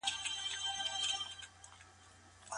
شپېته او لس؛ اویا کېږي.